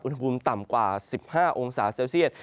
อุณหภูมิต่ำกว่า๑๕องศาเซลเซียต